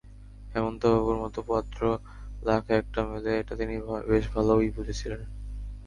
হেমন্ত বাবুর মতো পাত্র লাখে একটা মেলে, এটা তিনি বেশ ভালোই বুঝেছিলেন।